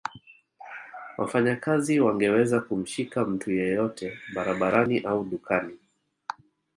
Wafanyakazi wangeweza kumshika mtu yeyote barabarani au dukani